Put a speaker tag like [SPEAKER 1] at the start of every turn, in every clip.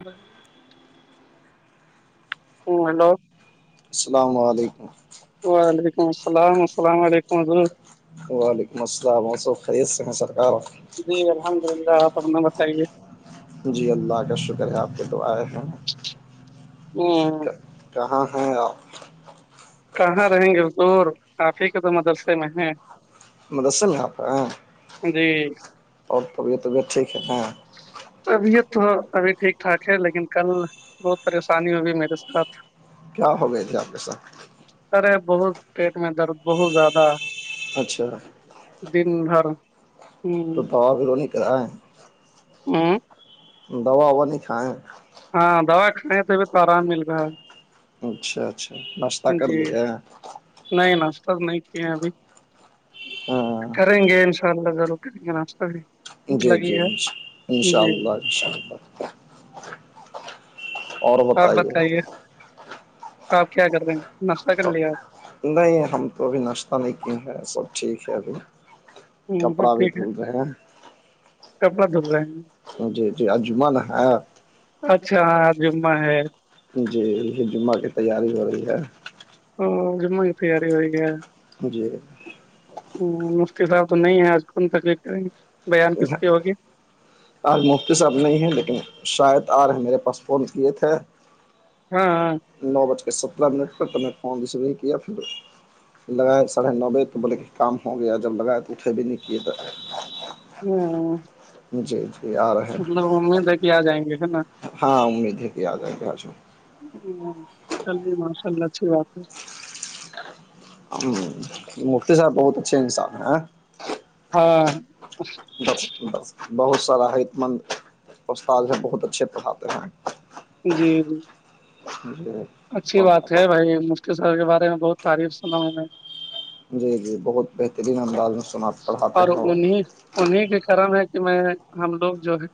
[SPEAKER 1] بس [unintelligible] ہوں ہلو
[SPEAKER 2] السلام علیکم
[SPEAKER 1] وعلیکم السلام السلام علیکم ادض
[SPEAKER 2] وعلیکم السلام آ خریت سے ہیں سرکار
[SPEAKER 1] جی الحمد للہ آپ اپنا بتائیے
[SPEAKER 2] جی اللہ کا شکر ہے آپ کے تو آئے ہیں
[SPEAKER 1] ہ [unintelligible]
[SPEAKER 2] کہاں ہے آپ
[SPEAKER 1] کہاں رہیں گے حضور آپ ہی کے تو مدرسے میں ہے
[SPEAKER 2] مجسم آپ ہیں [unintelligible]
[SPEAKER 1] جی
[SPEAKER 2] اور طبیعت طبیعت ٹھیک ہے نا
[SPEAKER 1] طبیعت تو ابھی ٹھیک ٹھاک ہے لیکن کل بہت پریشانی ہوگئی میرے ساتھ
[SPEAKER 2] کیا ہو گئے تھے آپ کے ساتھ
[SPEAKER 1] ارے بہت پیٹ میں درد بہت زیادہ
[SPEAKER 2] اچھا
[SPEAKER 1] دن بھر ہ
[SPEAKER 2] تو پاؤ کی لونی کرا ہے
[SPEAKER 1] ہ [inaudible]
[SPEAKER 2] دوا وا نہیں کھائےیں
[SPEAKER 1] ہاں دوا کھائےیں تو بھی تو آرام مل گا ہے
[SPEAKER 2] اچھا اچھا ناشتہ کر
[SPEAKER 1] جی
[SPEAKER 2] لیا
[SPEAKER 1] نہیں نا سٹر نہیں کیے ابھی
[SPEAKER 2] ہاں
[SPEAKER 1] کریں گے اللہالو کر ناسہ بھی [unintelligible]
[SPEAKER 2] جی جی
[SPEAKER 1] ہے
[SPEAKER 2] ان شاء
[SPEAKER 1] جی
[SPEAKER 2] اللہ ان شاء اللہ
[SPEAKER 1] آپ بتائیے آپ کیا کر رہے ہیں ناشتہ کر لیا آپ
[SPEAKER 2] نہیں ہم تو ابھی ناشتہ نہیں کیے سب ٹھیک ہے ابھی
[SPEAKER 1] ہوں سب
[SPEAKER 2] کپڑا بھی
[SPEAKER 1] ٹھیک ہے
[SPEAKER 2] دھل رہے ہیں
[SPEAKER 1] کپڑا دھل رہے ہیں
[SPEAKER 2] جی جی اجمن ہے
[SPEAKER 1] اچھا ہا جمعہ ہے
[SPEAKER 2] جی یہ جمعہ کی تیاری ہو رہی ہے
[SPEAKER 1] ہ جما تیاری ہو ئی ہیں
[SPEAKER 2] جی
[SPEAKER 1] ہ مفتی صاحب تو نہیں ہے آج کن تکلیف بیان کس کی ہوگی
[SPEAKER 2] آج مفتی صاحب نہیں ہیں لیکن شاید آج میرے پاس فون کی تھے
[SPEAKER 1] ہاں
[SPEAKER 2] نو بج کے سترہ منٹ پر ت نے فون ریسیو نہیں کیا پھر لگائے ساڑھے نو بجے بولے کہ کام ہو گیا جب لگائے تو اٹھے بھی نہیں کیے تو
[SPEAKER 1] ہاں
[SPEAKER 2] جی جی آ رہے ہیں
[SPEAKER 1] مطلب امید ہے کہ آ جائیں گے ہے نا
[SPEAKER 2] ہاں امید ہے کہ آ جائے گے آجوں
[SPEAKER 1] ہ چلیے ماشاء اللہ اچھی بات ہے
[SPEAKER 2] ہ مفتی صاحب بہت اچھے انسان ہیں
[SPEAKER 1] ہاں
[SPEAKER 2] بس بس بہت سارا حت مند اسستاد ہے بہت اچھے پڑھاتے ہیں
[SPEAKER 1] جی جی
[SPEAKER 2] ج [unintelligible]
[SPEAKER 1] اچھی بات ہے بھائی مفتی صحا ب کے بارے میں بہت تعریف سنا ہوں میں
[SPEAKER 2] جی جی بہت بہترین انداز میں سنا پڑھاتے
[SPEAKER 1] اور
[SPEAKER 2] ہیں وہ
[SPEAKER 1] انیں انہیں کی کرم ہے کہ میں ہم لوگ جو ہے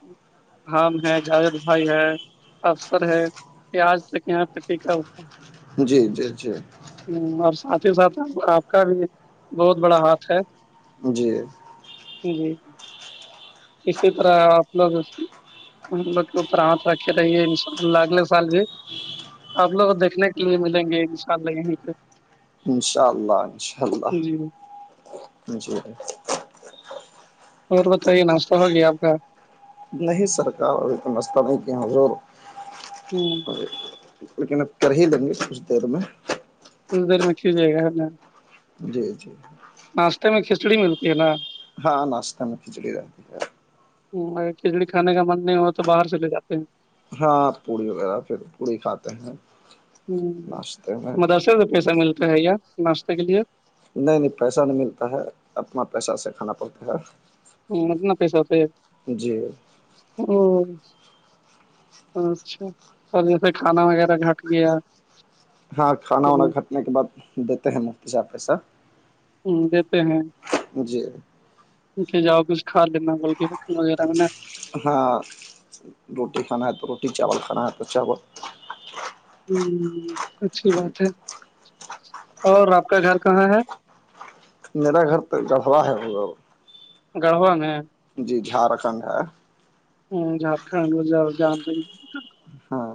[SPEAKER 1] حام ہے جاوید بھائی ہے افسر ہے یہ آج تک یہاں پہ فٹیکہ ہوا
[SPEAKER 2] جی جی جی
[SPEAKER 1] ہ اور ساتھ ہی ساتھ آپ کا بھی بہت بڑا ہاتھ ہے
[SPEAKER 2] جی
[SPEAKER 1] جی اسی طرح آپ لوگ ہم لوگ کے اوپر ہاتھ رکھے رہیے ان شاء اللہ اگلے سال بھی آپ لوگ دیکھنے کے لیے ملیں گے ان شاء اللہ یہیں پہ
[SPEAKER 2] انشاء اللہ انشاء اللہ
[SPEAKER 1] جی
[SPEAKER 2] جی
[SPEAKER 1] اور بتائیے ناشتہ ہوگیا آپ کا
[SPEAKER 2] نہیں سرکار اور ا مستبی کی حضور
[SPEAKER 1] ہ
[SPEAKER 2] لیکن اب کر ہی لیں گے کچھ دیر میں
[SPEAKER 1] کل دیر میںچھل جائے گا
[SPEAKER 2] جی جی
[SPEAKER 1] ناشتے میں کھچڑی ملتی ہے نا
[SPEAKER 2] ہاں ناشتہ میں کھچڑی رہتی ہے
[SPEAKER 1] گر کھچڑی کھانے کا من نہیں ہو تو باہر سے لے جاتے ہیں
[SPEAKER 2] ہاں پوڑی وغیرہ پھر پوڑی کھاتے ہیں
[SPEAKER 1] ہ
[SPEAKER 2] ناچتے ہیں
[SPEAKER 1] مدرسے سے پیسہ ملتا ہے یا ناشتے کے لیے
[SPEAKER 2] نہیں نہیں پیسہ نہیں ملتا ہے اپنا پیسہ سے کھانا پڑتا ہے
[SPEAKER 1] ہاں اتنا پیسہ ہوتا ہے
[SPEAKER 2] جی
[SPEAKER 1] او اچھا اور جیسے کھانا وغیرہ گھٹ گیا
[SPEAKER 2] ہاں کھانا
[SPEAKER 1] کبھی
[SPEAKER 2] وانا کھٹنے کے بعد دیتے ہیں مفتی سےاح پیسہ
[SPEAKER 1] ہ د پے ہیں
[SPEAKER 2] جی
[SPEAKER 1] اے جؤ کچھ کھا لینا گول کے پٹن وغیرہ میںا
[SPEAKER 2] ہاں روٹی کھانا ہے تو روٹی چاول کھانا ہے تو چاول
[SPEAKER 1] ہ اچھی بات ہے اور آپ کا گھر کہاں ہے
[SPEAKER 2] میرا گھر تو گڑڑا ہے وہا
[SPEAKER 1] گڑھوا ن
[SPEAKER 2] جی جھارکھنڈ ہے
[SPEAKER 1] ہوں جھارکھنڈ ج گام پ
[SPEAKER 2] ہاں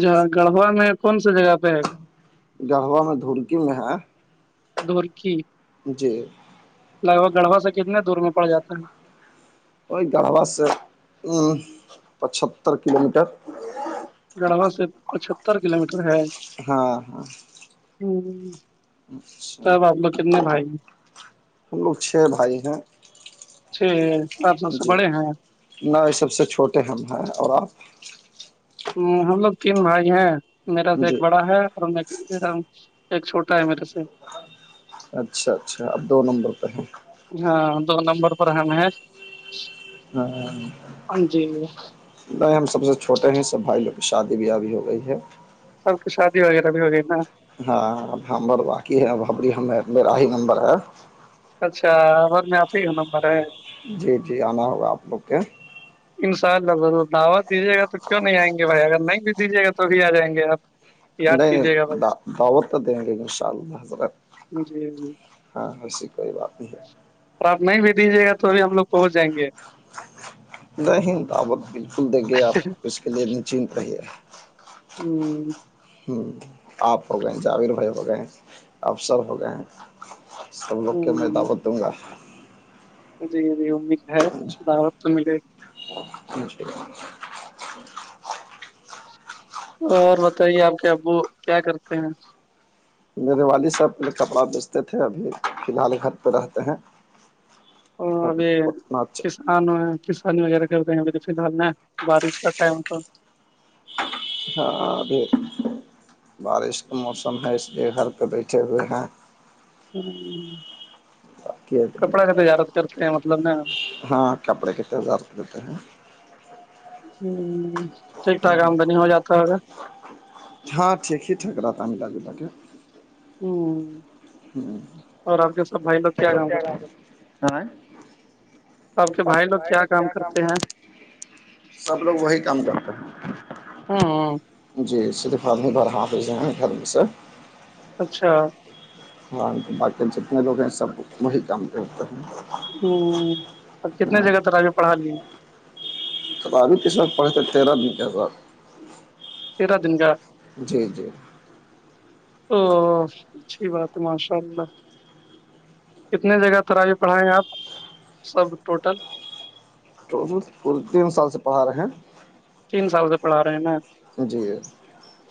[SPEAKER 1] جاں گڑھوا میں کون سی جگہ پہ ہے
[SPEAKER 2] گڑھوا میں دھوکی میں ہے
[SPEAKER 1] دورکی
[SPEAKER 2] جی
[SPEAKER 1] لگ بھگ گڑھا سے کتنے دور میں پڑ جاتا ہے
[SPEAKER 2] وہ گڑھبا سے پچہتر کلو میٹر
[SPEAKER 1] گڑھوا سے پچہتر کلو میٹر ہے
[SPEAKER 2] ہاں ہاں
[SPEAKER 1] ہ
[SPEAKER 2] اچھا
[SPEAKER 1] تب آپ لوگ کتنے بھائی ہیں
[SPEAKER 2] ہم لوگ چھ بھائی ہیں
[SPEAKER 1] اچ چھ آپ سب سے
[SPEAKER 2] جی
[SPEAKER 1] بڑے ہیں
[SPEAKER 2] نہ یہ سب سے چھوٹے ہم ہیں اور آپ
[SPEAKER 1] ہم لوگ تین بھائی ہیں میرا سے ایک
[SPEAKER 2] جی
[SPEAKER 1] بڑا ہے اور ایک چھوٹا ہے میرے سے
[SPEAKER 2] اچھا اچھا اب دو نمبر پہ ہیں
[SPEAKER 1] ہاں دو نمبر پر ہیں ہیں
[SPEAKER 2] ہاں
[SPEAKER 1] جی
[SPEAKER 2] نہیں ہم سب سے چھوٹے ہیں سب بھائی لوگ کی شادی بھی ابی ہو گئی ہے
[SPEAKER 1] سب کی شادی وغیرہ بھی ہوگئی نا
[SPEAKER 2] ہاں ہم باقی ہے بابری ہم میرا ہی نمبر ہے
[SPEAKER 1] اچھا ا میں آپ ہیوں نمبر ہے
[SPEAKER 2] جی جی آنا ہوگا آپ لوگ کے
[SPEAKER 1] جی انشاء اللہ ضرور دعوت دیجیے گا تو کیوں نہیں آئیں گے بھائی اگر نہیں بھی دیجیے گا تو بھی آ جائیں گے آپ یاد
[SPEAKER 2] نہیں
[SPEAKER 1] کیجیے گا
[SPEAKER 2] نہیں
[SPEAKER 1] بس
[SPEAKER 2] دعوت تو دیں گے ان شاء اللہ حضرت
[SPEAKER 1] جی جی
[SPEAKER 2] ہاں وسی کوئی بات نہیں ہے
[SPEAKER 1] اور آپ نہیں بھی دیجیے گا تو بھی ہم لوگ پہنچ جائیں گے
[SPEAKER 2] نہیں دعوت بالکل دیکھیے آپ اس کے لیے نچت رہیے
[SPEAKER 1] ہوں
[SPEAKER 2] ہ آپ ہو گئے جاوید بھائی ہو گئے افسر ہو گئے ہیں سب لوگ کے میں دعوت دوں گا
[SPEAKER 1] جی جی امید ہے دعوت تو ملے گی اور بتائیے آپ کے ابو کیا کرتے ہیں
[SPEAKER 2] میرے والد سحب کپڑا بیچتے تھے ابھی فی الحال گھر پہ رہتے ہیں
[SPEAKER 1] اور ابھی
[SPEAKER 2] اتنا
[SPEAKER 1] کس
[SPEAKER 2] اچھا
[SPEAKER 1] کان کسانی وغیرہ کرتے ہیں فی الحال ن بارش کا ٹائم کو
[SPEAKER 2] ہاں ابھی بارش کا موسم ہے اس لیے گھر پہ بیٹھے ہوئے ہیں
[SPEAKER 1] ہوں
[SPEAKER 2] بقی
[SPEAKER 1] کپڑا کا تجارت کرتے ہیں مطلب نا
[SPEAKER 2] ہاں کپڑے ک تنے ہزار دیتے ہیں
[SPEAKER 1] ہ ٹھیک ٹھاک آمدنی ہو جاتا ہوگا
[SPEAKER 2] ہاں ٹھیک ہی ٹھیک رہاتا ملا جتا کے
[SPEAKER 1] ہوں اور آپ کے سب بھائی لوگ کیا کام کرتے ہیں آپ کے بھائی لوگ کیا کام کرتے ہیں
[SPEAKER 2] سب لوگ وہی کام کرتے ہیں
[SPEAKER 1] ہ
[SPEAKER 2] جی صرف اپمی بار حافظ ہیں گھر میں سے
[SPEAKER 1] اچھا
[SPEAKER 2] ہاں تو باتی جتنے لوگ ہیں سب وہی کام پ ہوتے ہیں
[SPEAKER 1] ہوں اب کتنے جگہ ت آگے پڑھا لیے
[SPEAKER 2] ک ابھی کسر پڑھے تھ تیرہ بیس ہزار
[SPEAKER 1] تیرہ دن کاا
[SPEAKER 2] جی
[SPEAKER 1] او اچھی بات ہے ماشاء اللہ کتنے جگہ تراوی پڑھائیں گے آپ سب ٹوٹل
[SPEAKER 2] تو تین سال سے پڑا رہے ہیں
[SPEAKER 1] تین سال سے پڑھا رہے ہیں نا
[SPEAKER 2] جی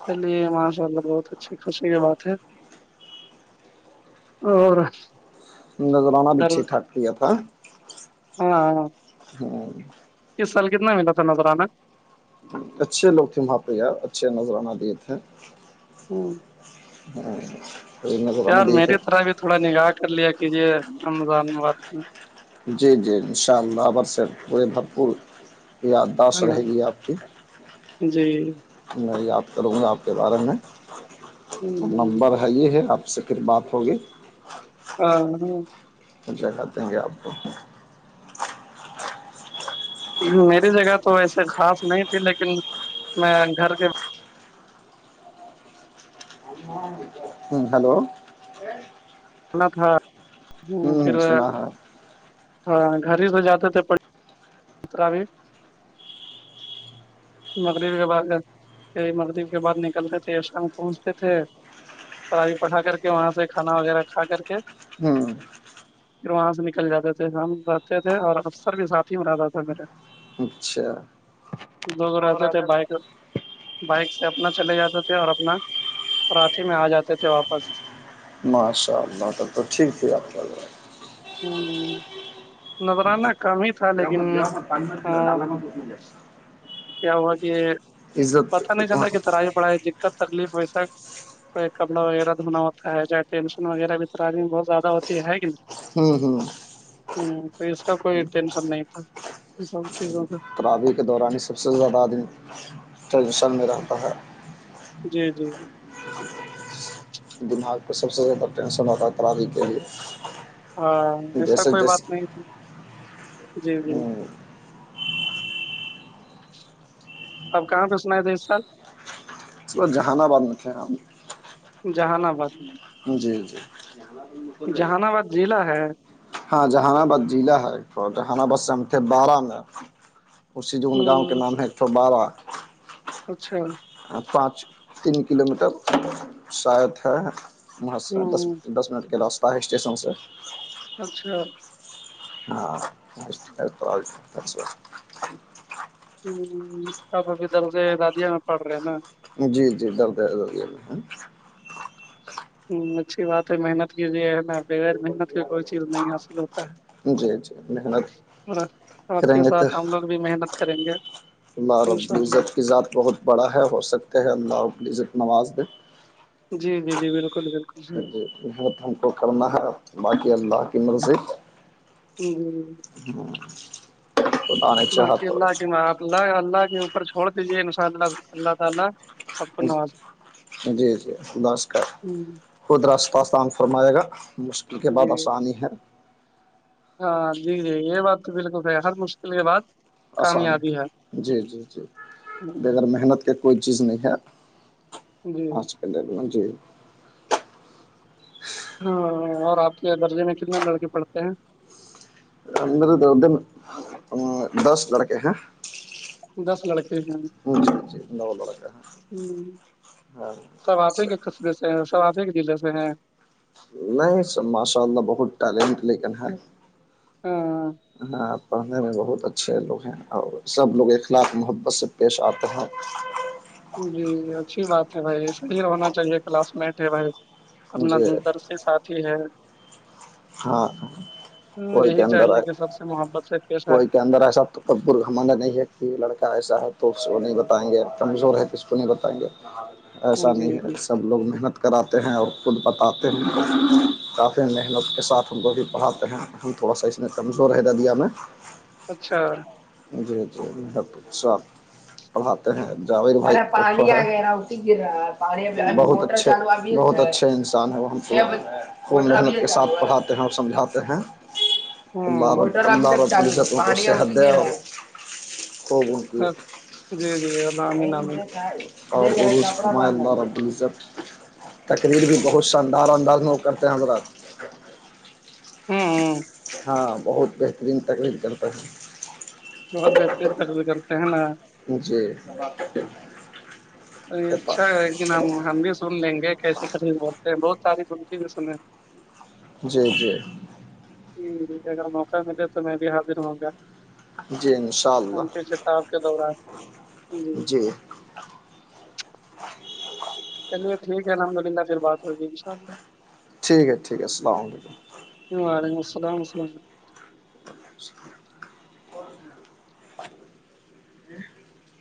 [SPEAKER 1] چلیے ماشاء اللہ بہت اچھی خوشی کی بات ہے اور
[SPEAKER 2] نظرانہ بھی
[SPEAKER 1] در
[SPEAKER 2] ٹھیک ٹھاک کیا تھا
[SPEAKER 1] ہاں ہاں
[SPEAKER 2] ہاں
[SPEAKER 1] اس سال کتنا ملا تھا نظر آنا
[SPEAKER 2] اچھے لوگ تھے وہاں پہ یار اچھے نذرانہ دیے تھے
[SPEAKER 1] ہ
[SPEAKER 2] ہ ر دکانو
[SPEAKER 1] یار
[SPEAKER 2] دی تھ
[SPEAKER 1] میری طرح بھی تھوڑا نگاہ کر لیا کیجے رمضان مبارک میں
[SPEAKER 2] جی جی ان شاء اللہبر سے پورے بھرپور یادداشت
[SPEAKER 1] ہاں
[SPEAKER 2] رہے گی آپ کی
[SPEAKER 1] جی
[SPEAKER 2] میں یاد کروں گا آپ کے بارے میں تو
[SPEAKER 1] ہوں،
[SPEAKER 2] نمبر ہے یہ ہے آپ سے پھر بات ہوگی
[SPEAKER 1] ہاں ہ
[SPEAKER 2] جگات دیں گے آپ کو
[SPEAKER 1] میری جگہ تو ایسے خاص نہیں تھی لیکن میں گھر کے
[SPEAKER 2] ہم ہوں ہلو [unintelligible]
[SPEAKER 1] نا تھا پھر
[SPEAKER 2] ہے
[SPEAKER 1] ہاں گھر ہی سے جاتے تھ بھی مغرب کے بعد مغرب کے بعد نکلتے تھے شام پہنچتے تھے پڑھی پٹھا کر کے وہاں سے کھانا وغیرہ کھا کر کے
[SPEAKER 2] ہوں
[SPEAKER 1] پھر وہاں سے نکل جاتے تھے شام رہتے تھے اور اکثر بھی ساتھی میں رہتا تھا میرے
[SPEAKER 2] اچھا
[SPEAKER 1] دگ
[SPEAKER 2] لوگ رہ
[SPEAKER 1] راتاتے
[SPEAKER 2] تھا
[SPEAKER 1] بائ کرر بائک سے اپنا چلے جاتے تھے اور اپنا ہاتھی میں آ جاتے تھے واپس
[SPEAKER 2] ماشاء اللہ ت تو ٹھیک تھی راکہ اللہ
[SPEAKER 1] ہوں نظرانہ کام
[SPEAKER 2] گ مت گرا مت تانج کےا ڈال م
[SPEAKER 1] کیا ہوا کہ یہ پتا نہیں چل رہ کہ ترائی پڑھائی دقت تکلیف ویسا کپڑا وغیرہ دھونا ہوتا ہے ٹینشن وغیرہ بھی تو میں بہت زیادہ ہوتی ہے گی نا
[SPEAKER 2] ہوں ہوں
[SPEAKER 1] ہوں تو اس کا کوئی ٹینشن نہیں تھا سب چیزوں کا
[SPEAKER 2] ترابی کے دوران ہی سب سے زیادہ آدمی ٹریڈیشن میں رہتا ہے
[SPEAKER 1] جی جی جی
[SPEAKER 2] دماغ پ سب سے زیادہ ٹینشن ہوتا ہے ترابی کے لیے
[SPEAKER 1] ہاں ایسا
[SPEAKER 2] جیسے
[SPEAKER 1] کوئی بات
[SPEAKER 2] جیسے
[SPEAKER 1] نہیں تھی جی جی اپ کہاں پہ سناائے تھے اس سال
[SPEAKER 2] اس ب جہان آباد میں تھے ہم
[SPEAKER 1] جہان آباد
[SPEAKER 2] ہاں جیاں جی
[SPEAKER 1] جہان آباد ضلع ہے
[SPEAKER 2] ہاں جہان آباد ضلع ہے تو جہان آباد سم بارہ میں اسی جو گاؤں کے نام ہے ایک سو بارہ
[SPEAKER 1] اچھا
[SPEAKER 2] پانچ تین کلو میٹر شا ہے م سے دس
[SPEAKER 1] ہ
[SPEAKER 2] دس منٹ کے راسہ ہے اسٹیشن سے
[SPEAKER 1] اچھا
[SPEAKER 2] ہاں تو آ
[SPEAKER 1] ہ آپ بھیدر سے دادیا میں پڑ رہے ہیں نا [unintelligible]
[SPEAKER 2] جی جی ڈرد ڈرد
[SPEAKER 1] ہ اچھی بات ہے محنت کی ہے نا بغیر محنت کی کوئی چیز نہیں حاصل ہوتا ہے
[SPEAKER 2] جی جی محنت
[SPEAKER 1] اور آپ
[SPEAKER 2] کریں
[SPEAKER 1] کے
[SPEAKER 2] گے تو
[SPEAKER 1] ساتھ ہم لوگ بھی محنت کریں گے
[SPEAKER 2] الللہہ رب
[SPEAKER 1] انشاء اللہ
[SPEAKER 2] العزت کی ذات بہت بڑا ہے ہو سکتے ہے الللہہ رب العزت نواز میںہ
[SPEAKER 1] جی جی جی بالکل بالکل صحیح۔
[SPEAKER 2] جی محنت ہم کو کرنا ہے باقی اللہ کی مرضی
[SPEAKER 1] ہ [unintelligible]
[SPEAKER 2] ہ تو آ چ ہ
[SPEAKER 1] باقی
[SPEAKER 2] تو
[SPEAKER 1] اللہ کے آپ اللہ کے اوپر چھوڑ کے یہ انشاءاللہ
[SPEAKER 2] جی جی نمسکار
[SPEAKER 1] ہوں،
[SPEAKER 2] خود راستہستان فرمائے گا مشکل کے
[SPEAKER 1] جی
[SPEAKER 2] بعد آسانی ہے
[SPEAKER 1] ہاں جی جی یہ بات تو بالکل ہر مشکل کے بات
[SPEAKER 2] آسان ہے جی جی جی
[SPEAKER 1] ہوں،
[SPEAKER 2] بغیر محنت کے کوئی چیز نہیں ہے
[SPEAKER 1] جی
[SPEAKER 2] آج پ م جی [unintelligible] [unintelligible]
[SPEAKER 1] ہاں اور آپ کے درجے میں کتنے لڑکے پڑتے ہیں
[SPEAKER 2] م اد دس لڑکے ہیں [unintelligible] [unintelligible]
[SPEAKER 1] دس لڑکے ہیں
[SPEAKER 2] ج ج ج ن لڑا ہاں
[SPEAKER 1] ف خصبے سے صوافے کے دلے سے ہیں
[SPEAKER 2] نہیں سب ماشاء اللہ بہت ٹیلنٹ لیکن ہے
[SPEAKER 1] ہاں
[SPEAKER 2] ہاں پڑھنے میں بہت اچھا چھ لوگ ہیں اور سب لوگ اخلاق محبت سے پیش آتے ہیں
[SPEAKER 1] جی اچھی بات ہے بھائی صحیح ہونا چاہیے کلاس مٹ ہے بھائی اپنا
[SPEAKER 2] جی
[SPEAKER 1] در سے ساتھی ہے
[SPEAKER 2] ہاں
[SPEAKER 1] ہاں،
[SPEAKER 2] کوئی کے
[SPEAKER 1] یہی
[SPEAKER 2] اندر ہے
[SPEAKER 1] چاہیے کہ سب سے محبت سے پیش آئے
[SPEAKER 2] کوئی کے اندر ہے سب تو بر ہمارا نہیں ہے کہ لڑکا ایسا ہے تو اس کو نہیں بتائیں گے کمزور ہے تو اس کو نہیں بتائیں گے
[SPEAKER 1] ہاں،
[SPEAKER 2] ایسا
[SPEAKER 1] جی
[SPEAKER 2] نہیں
[SPEAKER 1] جی
[SPEAKER 2] ہے سب لوگ محنت کراتے ہیں اور خود بتاتے ہیں کافی محنت کے ساتھ ہم کوب پڑھاتے ہیں ہم تھوڑا سا اس میں
[SPEAKER 1] ہوں،
[SPEAKER 2] کمزور ہے د دیا میں
[SPEAKER 1] اچھا
[SPEAKER 2] جی توچ ساپ پڑھات ہیںانی وغیرہ ہوتی گا بہت
[SPEAKER 1] ہوں
[SPEAKER 2] اچھے بہت اچھے انسان ہیں وہ خئی محنت کے ساتھ پڑھاتے ہیں اور سمجھاتے
[SPEAKER 1] ہوں
[SPEAKER 2] ہیںبد ہو
[SPEAKER 1] ہاں جی جی الام نامی
[SPEAKER 2] اور پائند رہ پلیس تقریر بھی بہت شاندار انداز میں وہ کرتے ہیں ہمارا
[SPEAKER 1] ہوں
[SPEAKER 2] ہاں بہت بہترین تکلیف کرتاے ہیں
[SPEAKER 1] ج بتن تر کرتے ہیںناا
[SPEAKER 2] جی
[SPEAKER 1] اچھا ہے لیکن ہم ہم بھی سن لیں گے کیسی تریف ہوتے ہیں بہت تاریفنتی بھی سنے
[SPEAKER 2] جی جی
[SPEAKER 1] ج اگر موقع ملے تو میں بھی حاضر ہوں گا
[SPEAKER 2] جی انشاء
[SPEAKER 1] ان
[SPEAKER 2] اللہ
[SPEAKER 1] کی کتاب کے دوران جی چلیے ٹھیک ہے الحمد للہ پھر بات ہو جی ان شاء اللہ
[SPEAKER 2] ٹھیک ہے ٹھیک ہے السلام علیکم
[SPEAKER 1] وعلیکم السلامسلام ع
[SPEAKER 2] وعلیکم السلام ج